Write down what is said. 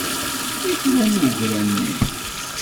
Wi t-ilan ugra-nni?